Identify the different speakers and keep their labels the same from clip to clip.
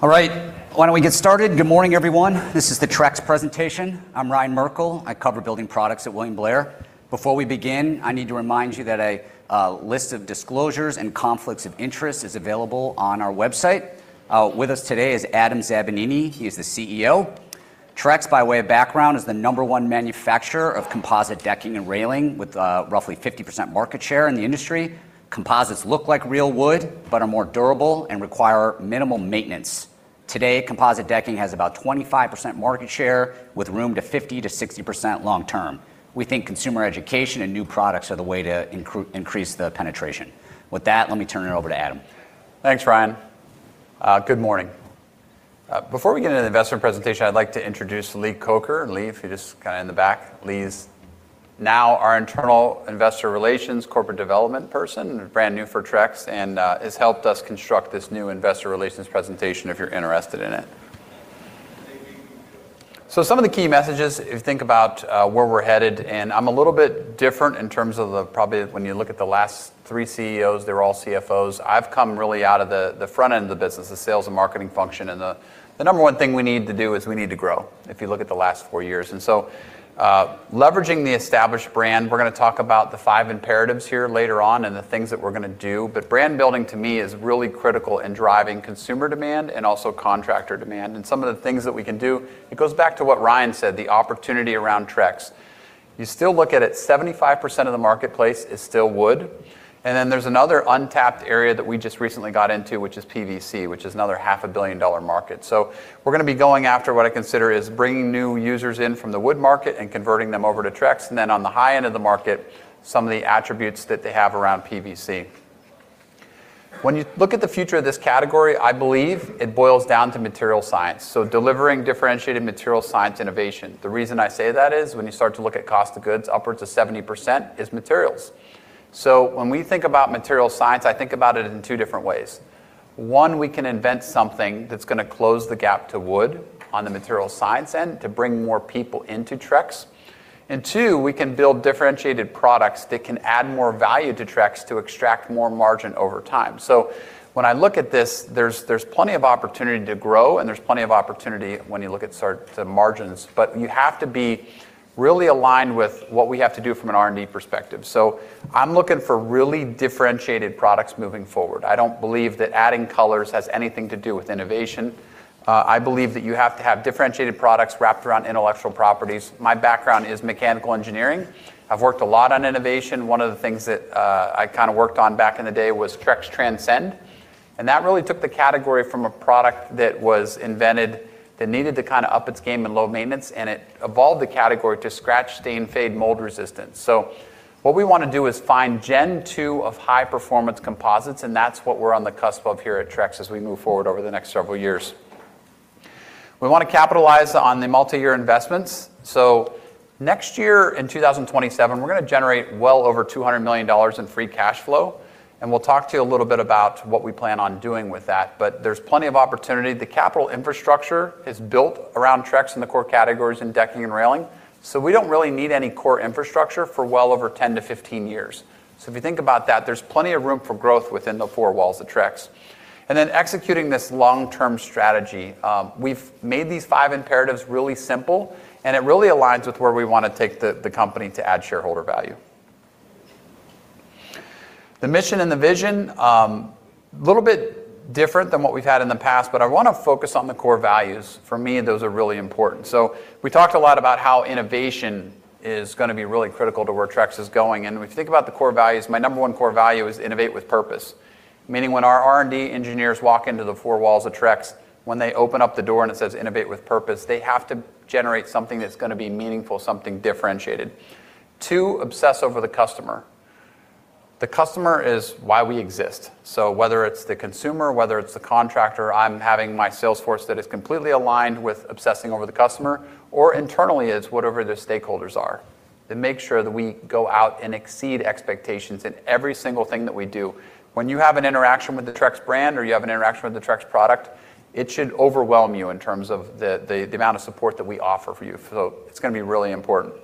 Speaker 1: All right. Why don't we get started? Good morning, everyone. This is the Trex presentation. I'm Ryan Merkel. I cover building products at William Blair. Before we begin, I need to remind you that a list of disclosures and conflicts of interest is available on our website. With us today is Adam Zambanini. He is the CEO. Trex, by way of background, is the number one manufacturer of composite decking and railing with roughly 50% market share in the industry. Composites look like real wood, are more durable and require minimal maintenance. Today, composite decking has about 25% market share with room to 50%-60% long term. We think consumer education and new products are the way to increase the penetration. With that, let me turn it over to Adam.
Speaker 2: Thanks, Ryan. Good morning. Before we get into the investment presentation, I'd like to introduce Lee Coker. Lee, if you just kind of in the back. Lee's now our Internal Investor Relations, Corporate Development person, brand new for Trex, and has helped us construct this new investor relations presentation if you're interested in it. Some of the key messages, if you think about where we're headed, and I'm a little bit different in terms of the when you look at the last three CEOs, they were all CFOs. I've come really out of the front end of the business, the sales and marketing function, and the number one thing we need to do is we need to grow if you look at the last four years. Leveraging the established brand, we're going to talk about the five imperatives here later on and the things that we're going to do. Brand building to me is really critical in driving consumer demand and also contractor demand and some of the things that we can do. It goes back to what Ryan said, the opportunity around Trex. You still look at it, 75% of the marketplace is still wood. Then there's another untapped area that we just recently got into, which is PVC, which is another half a billion dollar market. We're going to be going after what I consider is bringing new users in from the wood market and converting them over to Trex, and then on the high end of the market, some of the attributes that they have around PVC. When you look at the future of this category, I believe it boils down to material science, so delivering differentiated material science innovation. The reason I say that is when you start to look at cost of goods, upwards of 70% is materials. When we think about material science, I think about it in two different ways. One, we can invent something that's going to close the gap to wood on the material science end to bring more people into Trex. Two, we can build differentiated products that can add more value to Trex to extract more margin over time. When I look at this, there's plenty of opportunity to grow and there's plenty of opportunity when you look at the margins. You have to be really aligned with what we have to do from an R&D perspective. I'm looking for really differentiated products moving forward. I don't believe that adding colors has anything to do with innovation. I believe that you have to have differentiated products wrapped around intellectual properties. My background is mechanical engineering. I've worked a lot on innovation. One of the things that I kind of worked on back in the day was Trex Transcend, and that really took the category from a product that was invented that needed to kind of up its game in low maintenance, and it evolved the category to scratch, stain, fade, mold resistant. What we want to do is find Gen 2 of high performance composites, and that's what we're on the cusp of here at Trex as we move forward over the next several years. We want to capitalize on the multi-year investments. Next year in 2027, we're going to generate well over $200 million in free cash flow, and we'll talk to you a little bit about what we plan on doing with that. There's plenty of opportunity. The capital infrastructure is built around Trex in the core categories in decking and railing. We don't really need any core infrastructure for well over 10-15 years. If you think about that, there's plenty of room for growth within the four walls of Trex. Executing this long-term strategy, we've made these five imperatives really simple, and it really aligns with where we want to take the company to add shareholder value. The mission and the vision, little bit different than what we've had in the past, but I want to focus on the core values. For me, those are really important. We talked a lot about how innovation is going to be really critical to where Trex is going, and if you think about the core values, my number one core value is innovate with purpose. Meaning when our R&D engineers walk into the four walls of Trex, when they open up the door and it says, "Innovate with purpose," they have to generate something that's going to be meaningful, something differentiated. Two, obsess over the customer. The customer is why we exist. Whether it's the consumer, whether it's the contractor, I'm having my sales force that is completely aligned with obsessing over the customer, or internally, it's whatever the stakeholders are, to make sure that we go out and exceed expectations in every single thing that we do. When you have an interaction with the Trex brand or you have an interaction with the Trex product, it should overwhelm you in terms of the amount of support that we offer for you. It's going to be really important.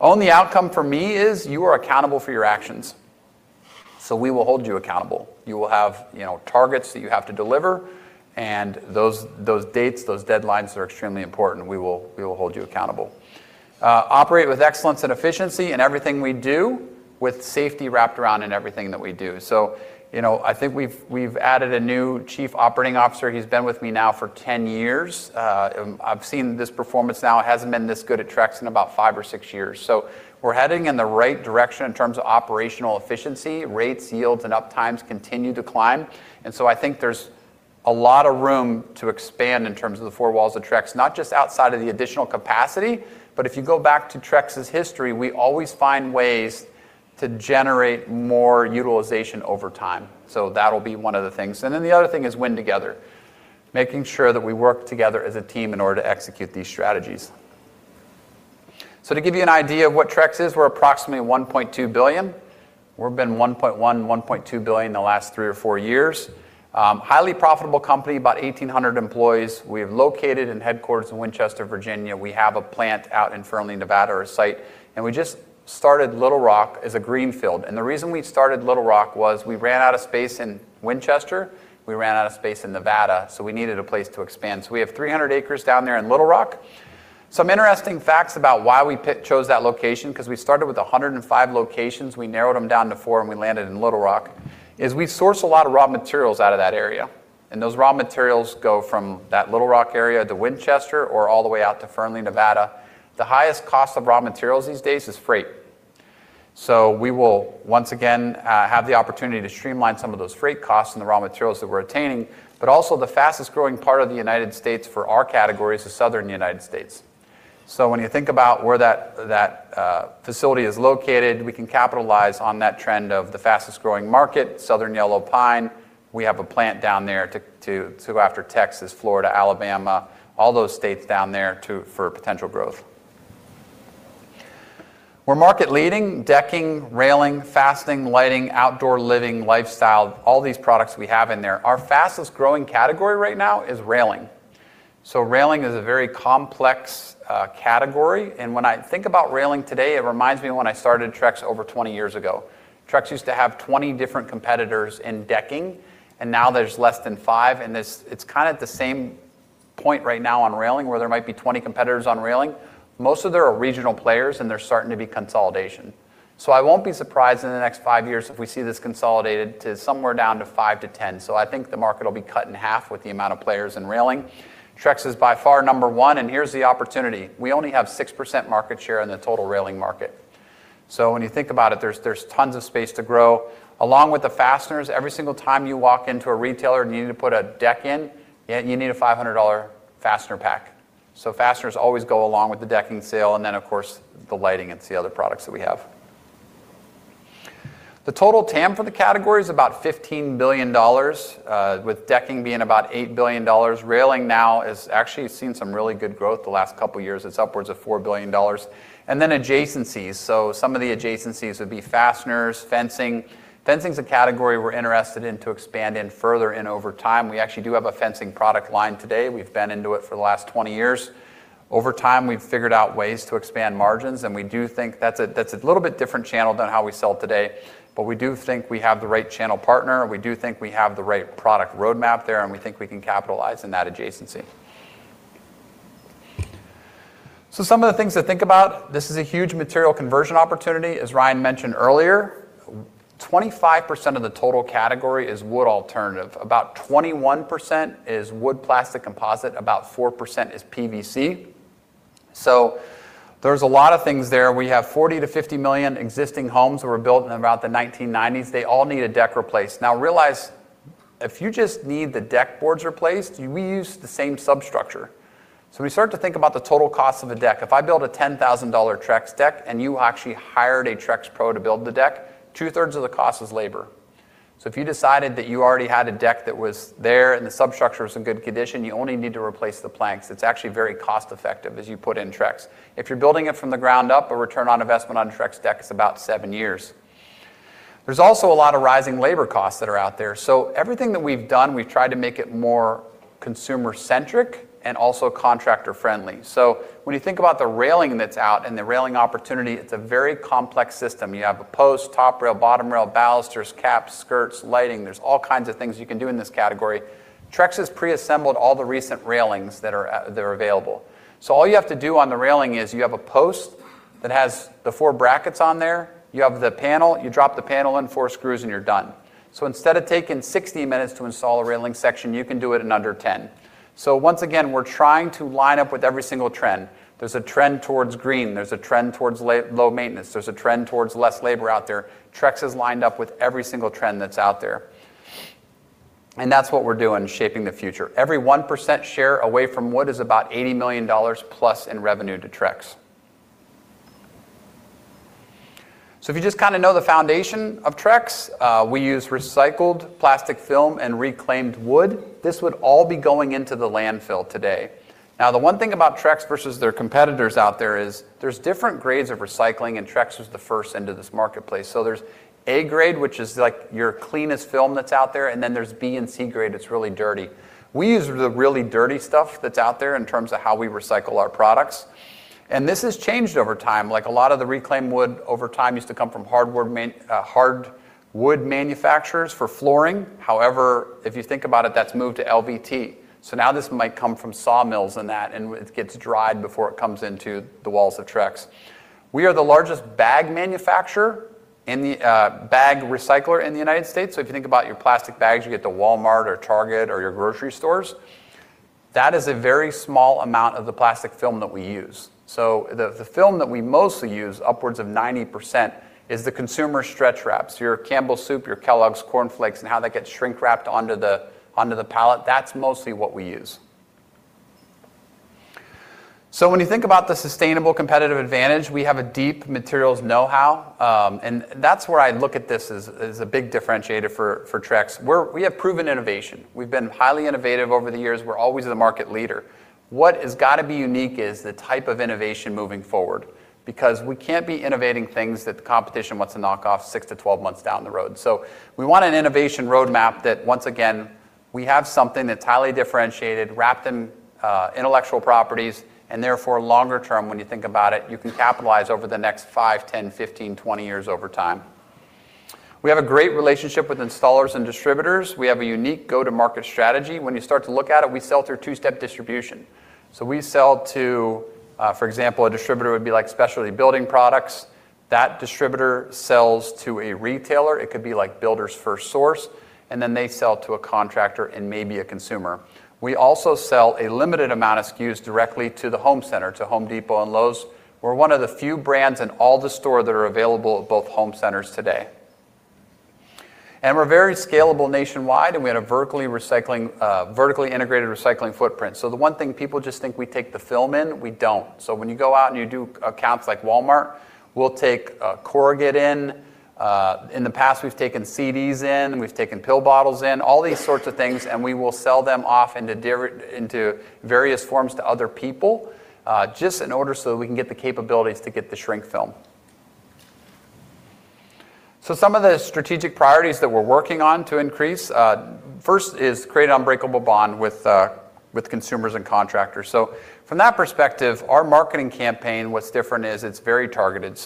Speaker 2: Own the outcome for me is you are accountable for your actions. We will hold you accountable. You will have targets that you have to deliver, those dates, those deadlines are extremely important. We will hold you accountable. Operate with excellence and efficiency in everything we do with safety wrapped around in everything that we do. I think we've added a new chief operating officer. He's been with me now for 10 years. I've seen this performance now. It hasn't been this good at Trex in about five or six years. We're heading in the right direction in terms of operational efficiency. Rates, yields, and up times continue to climb. I think there's a lot of room to expand in terms of the four walls of Trex, not just outside of the additional capacity, but if you go back to Trex's history, we always find ways to generate more utilization over time. That'll be one of the things. The other thing is win together, making sure that we work together as a team in order to execute these strategies. To give you an idea of what Trex is, we're approximately $1.2 billion. We've been $1.1 billion-$1.2 billion the last three or four years. Highly profitable company, about 1,800 employees. We're located and headquartered in Winchester, Virginia. We have a plant out in Fernley, Nevada, or a site. We just started Little Rock as a greenfield. The reason we started Little Rock was we ran out of space in Winchester, we ran out of space in Nevada, we needed a place to expand. We have 300 acres down there in Little Rock. Some interesting facts about why we chose that location, because we started with 105 locations, we narrowed them down to four, and we landed in Little Rock, is we source a lot of raw materials out of that area, and those raw materials go from that Little Rock area to Winchester or all the way out to Fernley, Nevada. The highest cost of raw materials these days is freight. We will once again have the opportunity to streamline some of those freight costs and the raw materials that we're attaining. Also the fastest growing part of the United States for our category is the southern United States. When you think about where that facility is located, we can capitalize on that trend of the fastest growing market, southern yellow pine. We have a plant down there to go after Texas, Florida, Alabama, all those states down there for potential growth. We're market leading decking, railing, fastening, lighting, outdoor living, lifestyle, all these products we have in there. Our fastest growing category right now is railing. Railing is a very complex category. When I think about railing today, it reminds me of when I started Trex over 20 years ago. Trex used to have 20 different competitors in decking, and now there's less than five, and it's kind of at the same point right now on railing, where there might be 20 competitors on railing. Most of them are regional players, and there's starting to be consolidation. I won't be surprised in the next five years if we see this consolidated to somewhere down to five to 10. I think the market will be cut in half with the amount of players in railing. Trex is by far number one, and here's the opportunity. We only have 6% market share in the total railing market. When you think about it, there's tons of space to grow. Along with the fasteners, every single time you walk into a retailer and you need to put a deck in, you need a $500 fastener pack. Fasteners always go along with the decking sale and then, of course, the lighting. It's the other products that we have. The total TAM for the category is about $15 billion, with decking being about $8 billion. Railing now has actually seen some really good growth the last couple of years. It's upwards of $4 billion. Adjacencies. Some of the adjacencies would be fasteners, fencing. Fencing's a category we're interested in to expand in further and over time. We actually do have a fencing product line today. We've been into it for the last 20 years. Over time, we've figured out ways to expand margins, and we do think that's a little bit different channel than how we sell today. We do think we have the right channel partner, and we do think we have the right product roadmap there, and we think we can capitalize on that adjacency. Some of the things to think about, this is a huge material conversion opportunity. As Ryan mentioned earlier, 25% of the total category is wood alternative. About 21% is wood plastic composite, about 4% is PVC. There's a lot of things there. We have 40 million to 50 million existing homes that were built in about the 1990s. They all need a deck replaced. Realize, if you just need the deck boards replaced, we use the same substructure. When you start to think about the total cost of a deck, if I build a $10,000 Trex deck and you actually hired a TrexPro to build the deck, two-thirds of the cost is labor. If you decided that you already had a deck that was there and the substructure is in good condition, you only need to replace the planks. It's actually very cost-effective as you put in Trex. If you're building it from the ground up, a return on investment on Trex deck is about seven years. There's also a lot of rising labor costs that are out there. Everything that we've done, we've tried to make it more consumer-centric and also contractor-friendly. When you think about the railing that's out and the railing opportunity, it's a very complex system. You have a post, top rail, bottom rail, balusters, caps, skirts, lighting. There's all kinds of things you can do in this category. Trex has preassembled all the recent railings that are available. All you have to do on the railing is you have a post that has the four brackets on there. You have the panel, you drop the panel in, four screws, and you're done. Instead of taking 60 min to install a railing section, you can do it in under 10. Once again, we're trying to line up with every single trend. There's a trend towards green. There's a trend towards low maintenance. There's a trend towards less labor out there. Trex is lined up with every single trend that's out there. That's what we're doing, shaping the future. Every 1% share away from wood is about $80 million+ in revenue to Trex. If you just know the foundation of Trex, we use recycled plastic film and reclaimed wood. This would all be going into the landfill today. The one thing about Trex versus their competitors out there is there's different grades of recycling, and Trex was the first into this marketplace. There's A grade, which is your cleanest film that's out there, and then there's B and C grade that's really dirty. We use the really dirty stuff that's out there in terms of how we recycle our products. This has changed over time. A lot of the reclaimed wood over time used to come from hardwood manufacturers for flooring. If you think about it, that's moved to LVT. Now this might come from sawmills and that, and it gets dried before it comes into the walls of Trex. We are the largest bag recycler in the U.S. If you think about your plastic bags you get to Walmart or Target or your grocery stores, that is a very small amount of the plastic film that we use. The film that we mostly use, upwards of 90%, is the consumer stretch wraps. Your Campbell's Soup, your Kellogg's Corn Flakes, and how that gets shrink-wrapped onto the pallet, that's mostly what we use. When you think about the sustainable competitive advantage, we have a deep materials know-how, and that's where I look at this as a big differentiator for Trex. We have proven innovation. We've been highly innovative over the years. We're always the market leader. What has got to be unique is the type of innovation moving forward, because we can't be innovating things that the competition wants to knock off six to 12 months down the road. We want an innovation roadmap that, once again, we have something that's highly differentiated, wrapped in intellectual properties, and therefore longer term, when you think about it, you can capitalize over the next five, 10, 15, 20 years over time. We have a great relationship with installers and distributors. We have a unique go-to-market strategy. When you start to look at it, we sell through two-step distribution. We sell to, for example, a distributor would be like Specialty Building Products. That distributor sells to a retailer, it could be like Builders FirstSource, and then they sell to a contractor and maybe a consumer. We also sell a limited amount of SKUs directly to the home center, to Home Depot and Lowe's. We're one of the few brands in all the store that are available at both home centers today. We're very scalable nationwide, and we had a vertically integrated recycling footprint. The one thing people just think we take the film in, we don't. When you go out and you do accounts like Walmart, we'll take corrugate in. In the past, we've taken CDs in, and we've taken pill bottles in, all these sorts of things, and we will sell them off into various forms to other people, just in order so that we can get the capabilities to get the shrink film. Some of the strategic priorities that we're working on to increase, first is create an unbreakable bond with consumers and contractors. From that perspective, our marketing campaign, what's different is it's very targeted.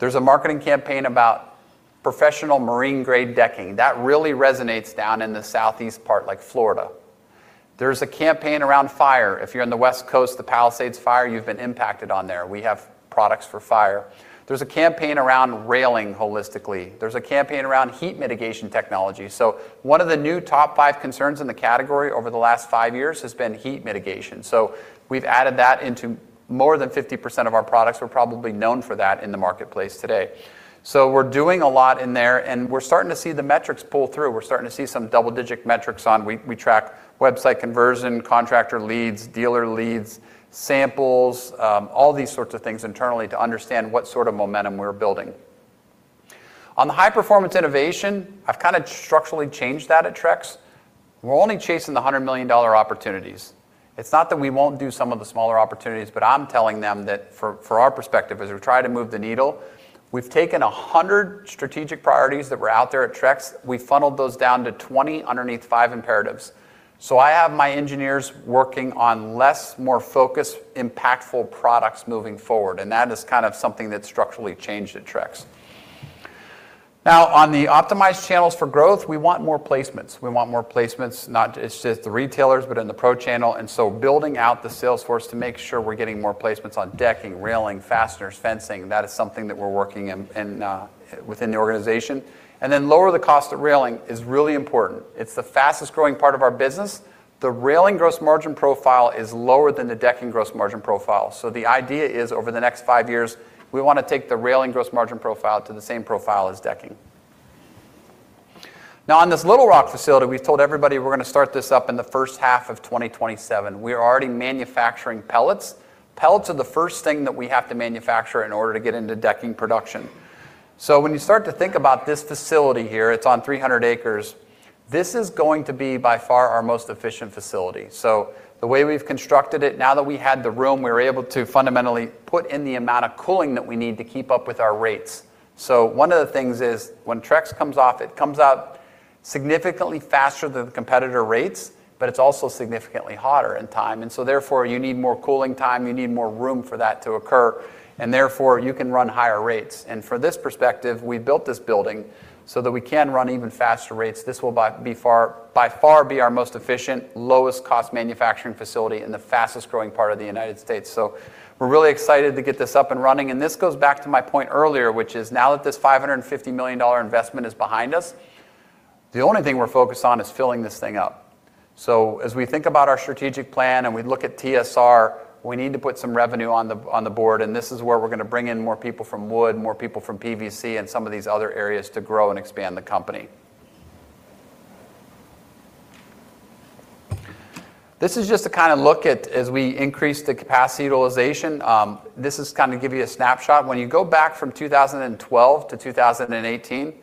Speaker 2: There's a marketing campaign about professional marine-grade decking. That really resonates down in the southeast part, like Florida. There's a campaign around fire. If you're on the West Coast, the Palisades fire, you've been impacted on there. We have products for fire. There's a campaign around railing holistically. There's a campaign around heat mitigation technology. One of the new top five concerns in the category over the last five years has been heat mitigation. We've added that into more than 50% of our products. We're probably known for that in the marketplace today. We're doing a lot in there, and we're starting to see the metrics pull through. We're starting to see some double-digit metrics. We track website conversion, contractor leads, dealer leads, samples, all these sorts of things internally to understand what sort of momentum we're building. On the high-performance innovation, I've kind of structurally changed that at Trex. We're only chasing the $100 million opportunities. It's not that we won't do some of the smaller opportunities, but I'm telling them that for our perspective, as we try to move the needle, we've taken 100 strategic priorities that were out there at Trex. We funneled those down to 20 underneath five imperatives. I have my engineers working on less, more focused, impactful products moving forward, and that is kind of something that structurally changed at Trex. Now, on the optimized channels for growth, we want more placements. We want more placements, not just the retailers, but in the pro channel, building out the sales force to make sure we're getting more placements on decking, railing, fasteners, fencing. That is something that we're working within the organization. Lower the cost of railing is really important. It's the fastest-growing part of our business. The railing gross margin profile is lower than the decking gross margin profile. The idea is, over the next five years, we want to take the railing gross margin profile to the same profile as decking. On this Little Rock facility, we've told everybody we're going to start this up in the first half of 2027. We are already manufacturing pellets. Pellets are the first thing that we have to manufacture in order to get into decking production. When you start to think about this facility here, it's on 300 acres. This is going to be by far our most efficient facility. The way we've constructed it, now that we had the room, we were able to fundamentally put in the amount of cooling that we need to keep up with our rates. One of the things is when Trex comes off, it comes out significantly faster than competitor rates, but it's also significantly hotter in time, therefore, you need more cooling time, you need more room for that to occur, and therefore you can run higher rates. For this perspective, we built this building so that we can run even faster rates. This will by far be our most efficient, lowest cost manufacturing facility in the fastest-growing part of the United States. We're really excited to get this up and running. This goes back to my point earlier, which is now that this $550 million investment is behind us, the only thing we're focused on is filling this thing up. As we think about our strategic plan and we look at TSR, we need to put some revenue on the board, and this is where we're going to bring in more people from wood, more people from PVC, and some of these other areas to grow and expand the company. This is just to kind of look at as we increase the capacity utilization. This is kind of give you a snapshot. When you go back from 2012-2018,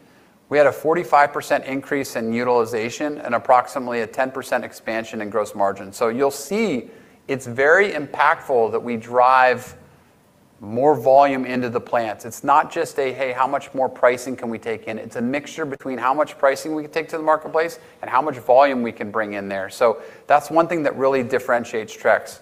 Speaker 2: we had a 45% increase in utilization and approximately a 10% expansion in gross margin. You'll see it's very impactful that we drive more volume into the plants. It's not just a, "Hey, how much more pricing can we take in?" It's a mixture between how much pricing we can take to the marketplace and how much volume we can bring in there. That's one thing that really differentiates Trex.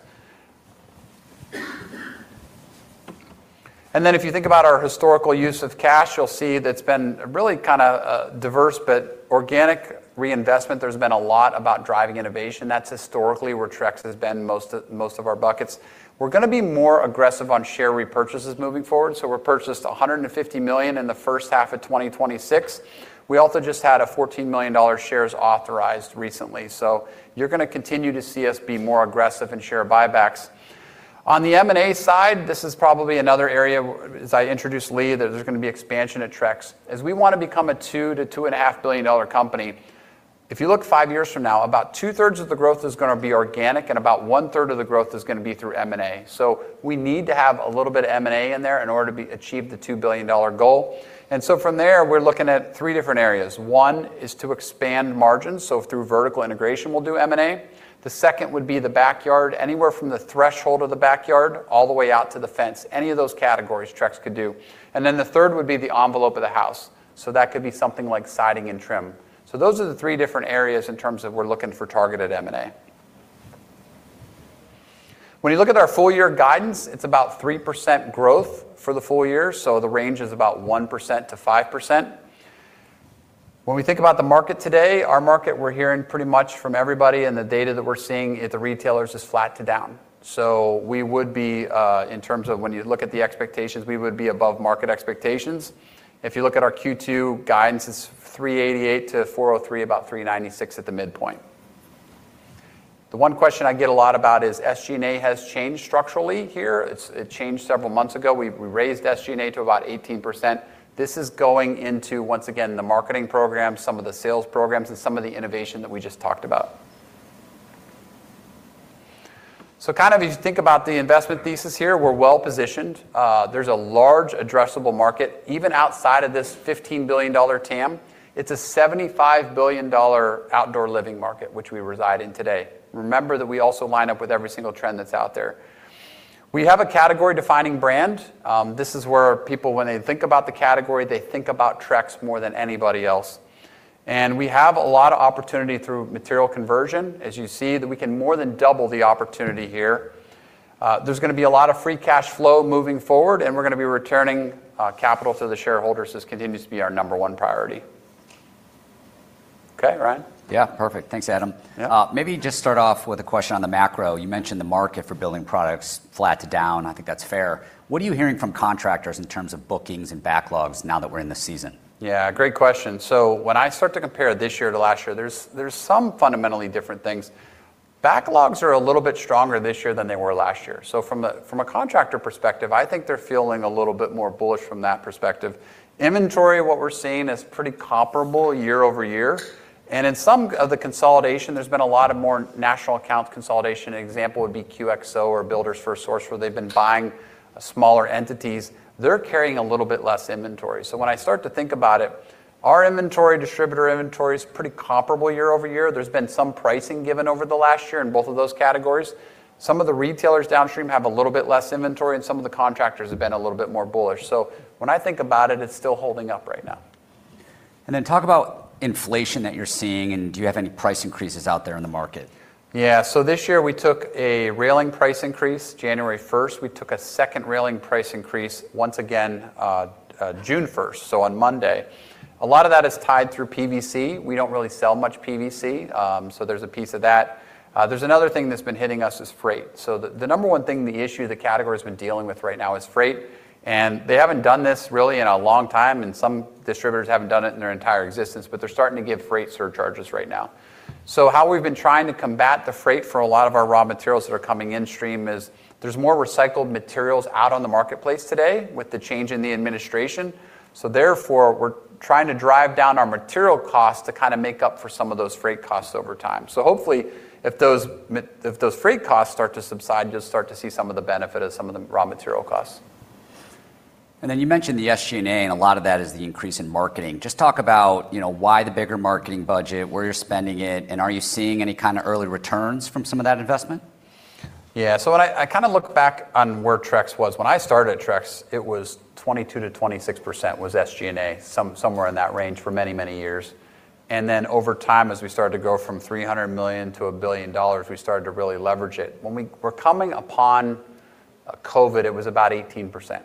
Speaker 2: If you think about our historical use of cash, you'll see that it's been really kind of a diverse but organic reinvestment. There's been a lot about driving innovation. That's historically where Trex has been, most of our buckets. We're going to be more aggressive on share repurchases moving forward. We purchased $150 million in the first half of 2026. We also just had a $14 million shares authorized recently. You're going to continue to see us be more aggressive in share buybacks. On the M&A side, this is probably another area, as I introduced Lee, that there's going to be expansion at Trex. As we want to become a $2 billion-$2.5 billion company, if you look five years from now, about two-thirds of the growth is going to be organic and about one-third of the growth is going to be through M&A. We need to have a little bit of M&A in there in order to achieve the $2 billion goal. From there, we're looking at three different areas. One is to expand margins, so through vertical integration, we'll do M&A. The second would be the backyard, anywhere from the threshold of the backyard all the way out to the fence. Any of those categories, Trex could do. The third would be the envelope of the house. That could be something like siding and trim. Those are the three different areas in terms of we're looking for targeted M&A. When you look at our full year guidance, it's about 3% growth for the full year, so the range is about 1%-5%. When we think about the market today, our market, we're hearing pretty much from everybody, and the data that we're seeing at the retailers is flat to down. We would be, in terms of when you look at the expectations, we would be above market expectations. If you look at our Q2 guidance, it's 388-403, about 396 at the midpoint. The one question I get a lot about is SG&A has changed structurally here. It changed several months ago. We raised SG&A to about 18%. This is going into, once again, the marketing program, some of the sales programs, and some of the innovation that we just talked about. As you think about the investment thesis here, we're well-positioned. There's a large addressable market. Even outside of this $15 billion TAM, it's a $75 billion outdoor living market, which we reside in today. Remember that we also line up with every single trend that's out there. We have a category-defining brand. This is where people, when they think about the category, they think about Trex more than anybody else. We have a lot of opportunity through material conversion, as you see, that we can more than double the opportunity here. There's going to be a lot of free cash flow moving forward, and we're going to be returning capital to the shareholders. This continues to be our number one priority. Okay, Ryan?
Speaker 1: Yeah, perfect. Thanks, Adam.
Speaker 2: Yeah.
Speaker 1: Maybe just start off with a question on the macro. You mentioned the market for building products, flat to down, and I think that's fair. What are you hearing from contractors in terms of bookings and backlogs now that we're in the season?
Speaker 2: Yeah, great question. When I start to compare this year to last year, there's some fundamentally different things. Backlogs are a little bit stronger this year than they were last year. From a contractor perspective, I think they're feeling a little bit more bullish from that perspective. Inventory, what we're seeing, is pretty comparable year-over-year. In some of the consolidation, there's been a lot of more national account consolidation. An example would be QXO or Builders FirstSource, where they've been buying smaller entities. They're carrying a little bit less inventory. When I start to think about it, our inventory, distributor inventory, is pretty comparable year-over-year. There's been some pricing given over the last year in both of those categories. Some of the retailers downstream have a little bit less inventory, and some of the contractors have been a little bit more bullish. When I think about it's still holding up right now.
Speaker 1: Talk about inflation that you're seeing, and do you have any price increases out there in the market?
Speaker 2: Yeah. This year we took a railing price increase January 1st. We took a second railing price increase, once again, June 1st, so on Monday. A lot of that is tied through PVC. We don't really sell much PVC, so there's a piece of that. There's another thing that's been hitting us is freight. The number one thing, the issue the category's been dealing with right now is freight. They haven't done this really in a long time, and some distributors haven't done it in their entire existence, but they're starting to give freight surcharges right now. How we've been trying to combat the freight for a lot of our raw materials that are coming in-stream is there's more recycled materials out on the marketplace today with the change in the administration. Therefore, we're trying to drive down our material costs to kind of make up for some of those freight costs over time. Hopefully if those freight costs start to subside, you'll start to see some of the benefit of some of the raw material costs.
Speaker 1: You mentioned the SG&A, and a lot of that is the increase in marketing. Just talk about why the bigger marketing budget, where you're spending it, and are you seeing any kind of early returns from some of that investment?
Speaker 2: I kind of look back on where Trex was. When I started at Trex, it was 22%-26% was SG&A, somewhere in that range for many, many years. Over time, as we started to grow from $300 million-$1 billion, we started to really leverage it. When we were coming upon COVID, it was about 18%.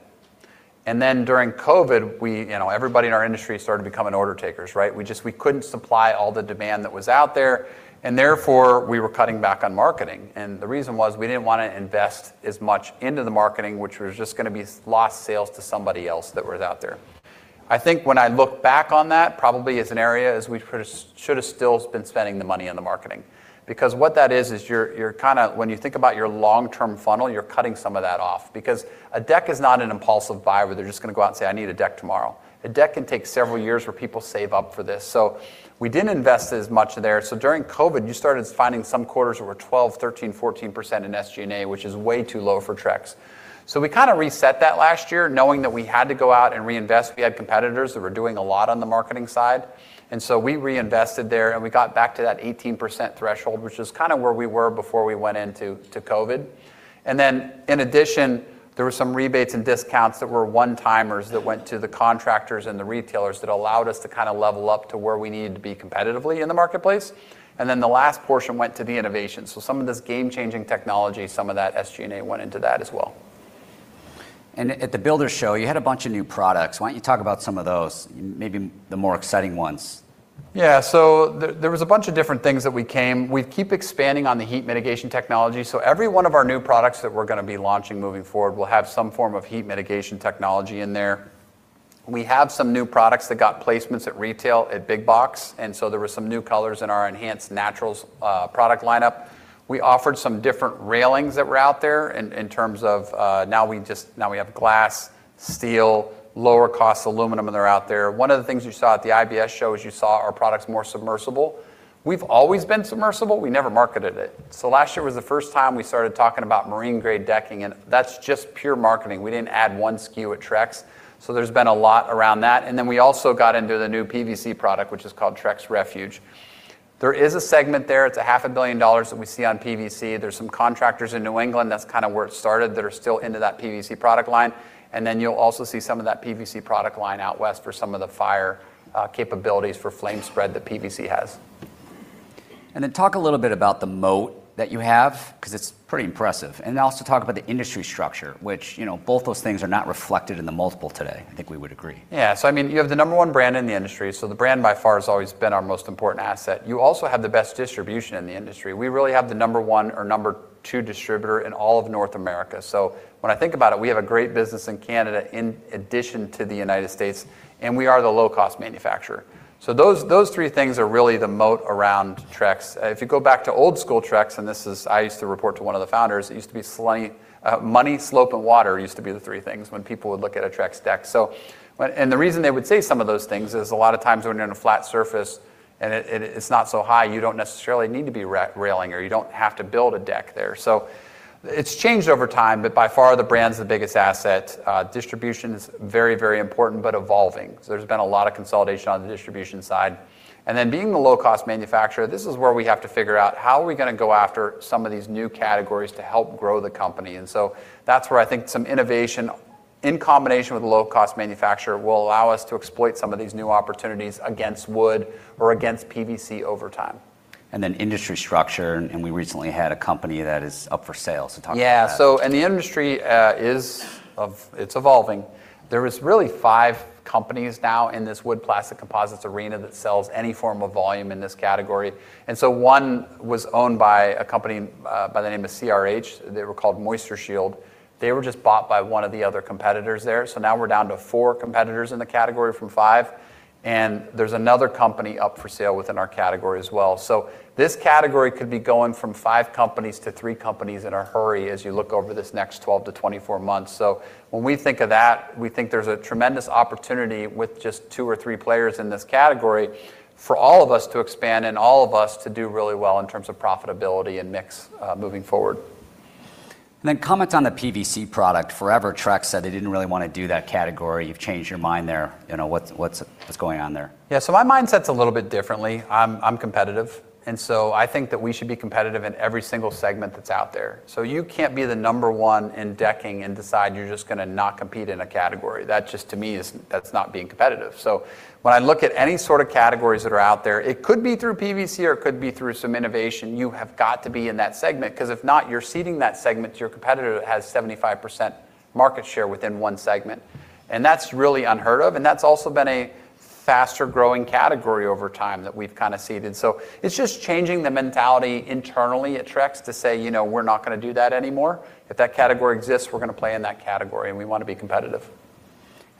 Speaker 2: During COVID, everybody in our industry started becoming order takers, right? We couldn't supply all the demand that was out there, and therefore, we were cutting back on marketing. The reason was we didn't want to invest as much into the marketing, which was just going to be lost sales to somebody else that was out there. I think when I look back on that, probably is an area is we should have still been spending the money on the marketing. Because what that is is when you think about your long-term funnel, you're cutting some of that off because a deck is not an impulsive buy where they're just going to go out and say, "I need a deck tomorrow." A deck can take several years where people save up for this. We didn't invest as much there. During COVID, you started finding some quarters that were 12%, 13%, 14% in SG&A, which is way too low for Trex. We kind of reset that last year, knowing that we had to go out and reinvest. We had competitors that were doing a lot on the marketing side. We reinvested there, and we got back to that 18% threshold, which is kind of where we were before we went into COVID. In addition, there were some rebates and discounts that were one-timers that went to the contractors and the retailers that allowed us to kind of level up to where we needed to be competitively in the marketplace. The last portion went to the innovation. Some of this game-changing technology, some of that SG&A went into that as well.
Speaker 1: At the IBS, you had a bunch of new products. Why don't you talk about some of those, maybe the more exciting ones?
Speaker 2: There was a bunch of different things that we came. We keep expanding on the heat mitigation technology. Every one of our new products that we're going to be launching moving forward will have some form of heat mitigation technology in there. We have some new products that got placements at retail at Big Box, there were some new colors in our Enhance Naturals product lineup. We offered some different railings that were out there in terms of now we have glass, steel, lower cost aluminum, and they're out there. One of the things you saw at the IBS show is you saw our product's more submersible. We've always been submersible. We never marketed it. Last year was the first time we started talking about marine-grade decking, and that's just pure marketing. We didn't add one SKU at Trex. There's been a lot around that. We also got into the new PVC product, which is called Trex Refuge. There is a segment there, it's a half a billion dollars that we see on PVC. There's some contractors in New England, that's kind of where it started, that are still into that PVC product line. You'll also see some of that PVC product line out west for some of the fire capabilities for flame spread that PVC has.
Speaker 1: Talk a little bit about the moat that you have, because it's pretty impressive. Also talk about the industry structure, which, both those things are not reflected in the multiple today, I think we would agree.
Speaker 2: Yeah. You have the number one brand in the industry, the brand by far has always been our most important asset. You also have the best distribution in the industry. We really have the number one or number two distributor in all of North America. When I think about it, we have a great business in Canada in addition to the United States, and we are the low-cost manufacturer. Those three things are really the moat around Trex. If you go back to old school Trex, and I used to report to one of the founders, money, slope, and water used to be the three things when people would look at a Trex deck. The reason they would say some of those things is a lot of times when you're on a flat surface and it's not so high, you don't necessarily need to be railing, or you don't have to build a deck there. It's changed over time, but by far the brand's the biggest asset. Distribution is very, very important, but evolving. There's been a lot of consolidation on the distribution side. Being the low-cost manufacturer, this is where we have to figure out how are we going to go after some of these new categories to help grow the company. That's where I think some innovation in combination with low-cost manufacturer will allow us to exploit some of these new opportunities against wood or against PVC over time.
Speaker 1: Industry structure, and we recently had a company that is up for sale, so talk about that.
Speaker 2: Yeah. The industry is evolving. There is really five companies now in this wood plastic composite arena that sells any form of volume in this category. One was owned by a company by the name of CRH. They were called MoistureShield. They were just bought by one of the other competitors there. Now we're down to four competitors in the category from five, and there's another company up for sale within our category as well. This category could be going from five companies to three companies in a hurry as you look over this next 12 months-24 months. When we think of that, we think there's a tremendous opportunity with just two or three players in this category for all of us to expand and all of us to do really well in terms of profitability and mix, moving forward.
Speaker 1: Comment on the PVC product. Forever, Trex said they didn't really want to do that category. You've changed your mind there. What's going on there?
Speaker 2: My mindset's a little bit different. I'm competitive. I think that we should be competitive in every single segment that's out there. You can't be the number one in decking and decide you're just going to not compete in a category. That just to me is, that's not being competitive. When I look at any sort of categories that are out there, it could be through PVC or it could be through some innovation, you have got to be in that segment because if not, you're ceding that segment to your competitor that has 75% market share within one segment. That's really unheard of, and that's also been a faster-growing category over time that we've kind of ceded. It's just changing the mentality internally at Trex to say, we're not going to do that anymore. If that category exists, we're going to play in that category, and we want to be competitive.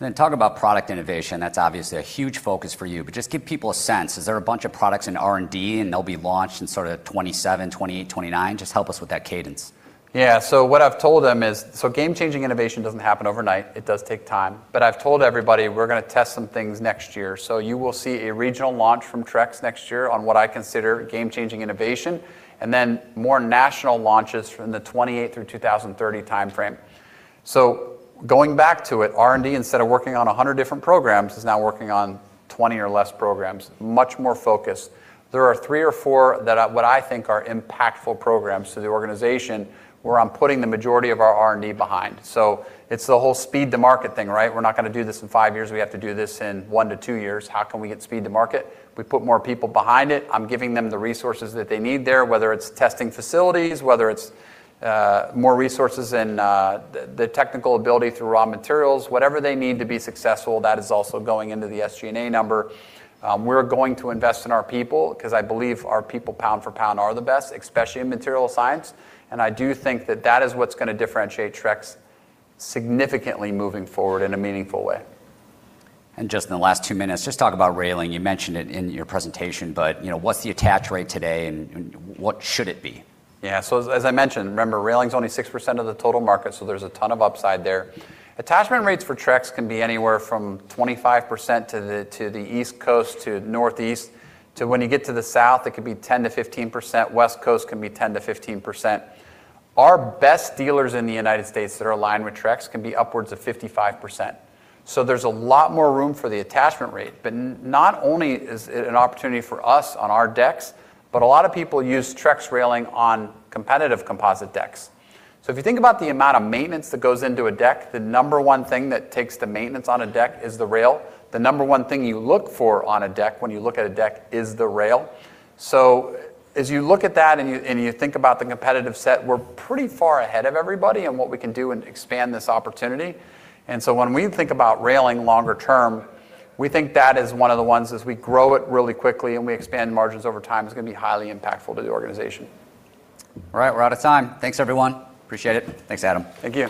Speaker 1: Then talk about product innovation. That's obviously a huge focus for you, just give people a sense. Is there a bunch of products in R&D, and they'll be launched in sort of 2027, 2028, 2029? Just help us with that cadence.
Speaker 2: What I've told them is, game-changing innovation doesn't happen overnight. It does take time. I've told everybody we're going to test some things next year. You will see a regional launch from Trex next year on what I consider game-changing innovation, and then more national launches from the 2028 through 2030 timeframe. Going back to it, R&D, instead of working on 100 different programs, is now working on 20 or less programs. Much more focused. There are three or four that what I think are impactful programs to the organization, where I'm putting the majority of our R&D behind. It's the whole speed to market thing, right? We're not going to do this in five years. We have to do this in one to two years. How can we get speed to market? We put more people behind it. I'm giving them the resources that they need there, whether it's testing facilities, whether it's more resources in the technical ability through raw materials. Whatever they need to be successful, that is also going into the SG&A number. We're going to invest in our people because I believe our people, pound for pound, are the best, especially in material science. I do think that that is what's going to differentiate Trex significantly moving forward in a meaningful way.
Speaker 1: Just in the last two minutes, just talk about railing. You mentioned it in your presentation, but what's the attach rate today, and what should it be?
Speaker 2: As I mentioned, remember, railing's only 6% of the total market, there's a ton of upside there. Attachment rates for Trex can be anywhere from 25% to the East Coast to Northeast, to when you get to the South, it could be 10%-15%. West Coast can be 10%-15%. Our best dealers in the United States that are aligned with Trex can be upwards of 55%. There's a lot more room for the attachment rate. Not only is it an opportunity for us on our decks, but a lot of people use Trex railing on competitive composite decks. If you think about the amount of maintenance that goes into a deck, the number one thing that takes the maintenance on a deck is the rail. The number one thing you look for on a deck when you look at a deck is the rail. As you look at that and you think about the competitive set, we're pretty far ahead of everybody on what we can do and expand this opportunity. When we think about railing longer term, we think that is one of the ones as we grow it really quickly and we expand margins over time, is going to be highly impactful to the organization.
Speaker 1: All right. We're out of time. Thanks, everyone. Appreciate it. Thanks, Adam.
Speaker 2: Thank you.